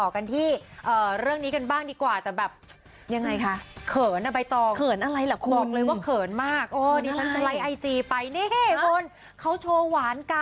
กันที่เรื่องนี้กันบ้างดีกว่าแต่แบบ